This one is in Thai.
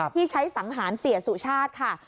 ที่ใช้สังหารเสียสุชาติค่ะ